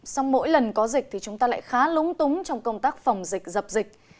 sau mỗi lần có dịch thì chúng ta lại khá lúng túng trong công tác phòng dịch dập dịch